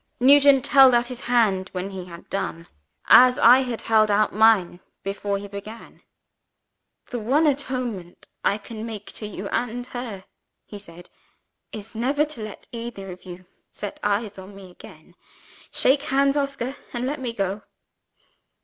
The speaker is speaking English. "Nugent held out his hand, when he had done as I had held out mine before he began. "'The one atonement I can make to you and to her,' he said, 'is never to let either of you set eyes on me again. Shake hands, Oscar; and let me go.'